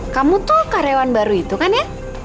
kamu tuh karyawan baru itu kan ya